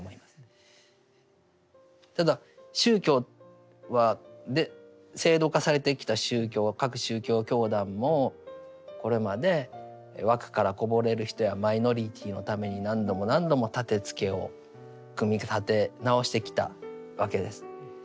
ただ宗教は制度化されてきた宗教は各宗教教団もこれまで枠からこぼれる人やマイノリティーのために何度も何度も立てつけを組み立て直してきたわけです。